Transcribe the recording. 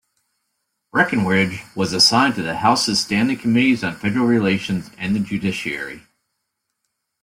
Breckinridge was assigned to the House's standing committees on Federal Relations and the Judiciary.